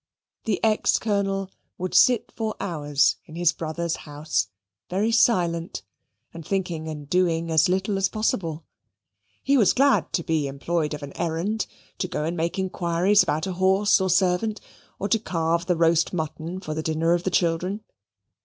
The ex Colonel would sit for hours in his brother's house very silent, and thinking and doing as little as possible. He was glad to be employed of an errand; to go and make inquiries about a horse or a servant, or to carve the roast mutton for the dinner of the children.